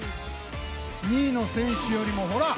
２位の選手より、ほら！